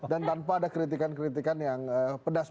dan tanpa ada kritikan kritikan yang pedas